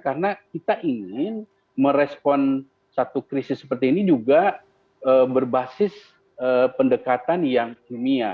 karena kita ingin merespon satu krisis seperti ini juga berbasis pendekatan yang kimia